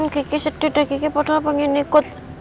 kiki sedih dah kiki padahal pengen ikut